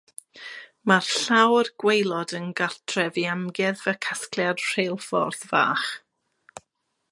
Mae'r llawr gwaelod yn gartref i amgueddfa casgliad rheilfordd fach.